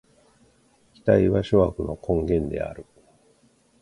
期待は諸悪の根源である。